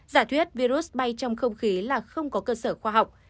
giả thuyết virus bay trong không khí là không có cơ sở khoa học